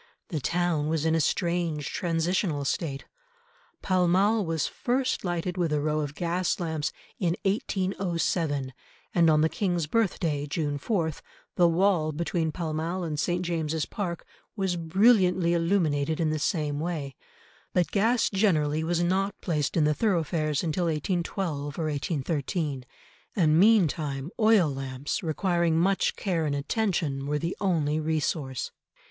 The town was in a strange transitional state. Pall Mall was first lighted with a row of gas lamps in 1807, and on the King's birthday, June 4, the wall between Pall Mall and St. James's Park was brilliantly illuminated in the same way, but gas generally was not placed in the thoroughfares until 1812 or 1813, and meantime oil lamps requiring much care and attention were the only resource.